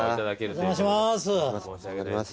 お邪魔します。